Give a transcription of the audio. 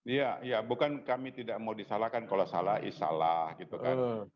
iya iya bukan kami tidak mau disalahkan kalau salah isalah gitu kan